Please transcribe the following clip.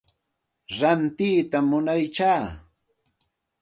Rantiytam munaya.